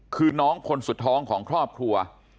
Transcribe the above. คือน้องคนสุดท้องของครอบครัว